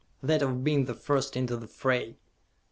that of being the first into the fray!